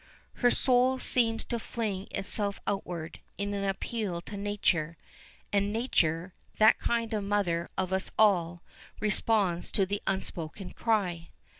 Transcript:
Her soul seems to fling itself outward in an appeal to nature; and nature, that kind mother of us all, responds to the unspoken cry.